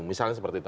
misalnya seperti itu